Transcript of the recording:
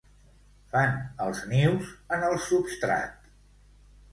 Fan els nius en el substrat.